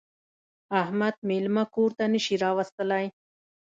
احمد مېلمه کور ته نه شي راوستلی.